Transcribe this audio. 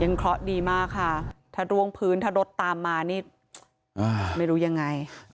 เคราะห์ดีมากค่ะถ้าร่วงพื้นถ้ารถตามมานี่ไม่รู้ยังไง